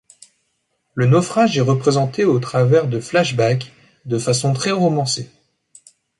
Le naufrage est représenté au travers de flashbacks, de façon très romancée.